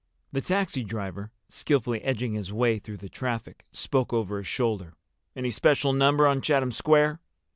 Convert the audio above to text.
The taxi driver, skillfully edging his way through the traffic, spoke over his shoulder. "Any special number on Chatham Square?"